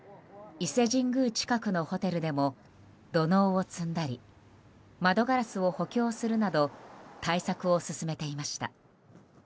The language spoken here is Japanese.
伊勢神宮近くのホテルでも土のうを積んだり窓ガラスを補強するなど対策を進めていました。